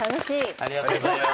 ありがとうございます。